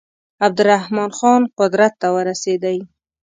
عبدالرحمن خان قدرت ته ورسېدی.